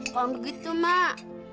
kok gitu mak